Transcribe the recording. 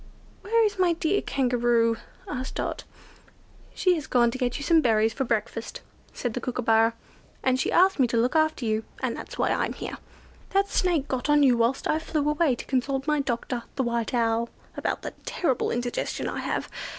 "Where is my dear Kangaroo?" asked Dot. "She has gone to get you some berries for breakfast," said the Kookooburra, "and she asked me to look after you, and that's why I'm here. That Snake got on you whilst I flew away to consult my doctor, the White Owl, about the terrible indigestion I have.